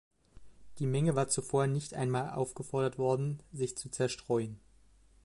Die Menge war zuvor nicht einmal aufgefordert worden, sich zu zerstreuen.